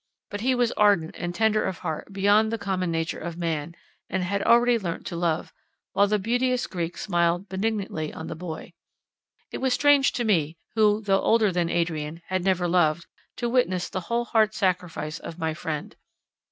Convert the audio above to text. But he was ardent and tender of heart beyond the common nature of man, and had already learnt to love, while the beauteous Greek smiled benignantly on the boy. It was strange to me, who, though older than Adrian, had never loved, to witness the whole heart's sacrifice of my friend.